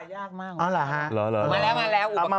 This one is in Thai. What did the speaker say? ชุดความสุขของทางโทรมันละลายยากมาก